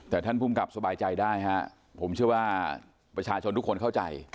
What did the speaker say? แต่ท่านภูมิกับสบายใจได้ฮะผมเชื่อว่าประชาชนทุกคนเข้าใจ